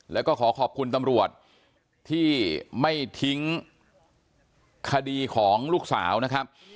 แล้วก็ขอขอบคุณตำรวจที่ไม่ทิ้งคดีของลูกสาวนะครับ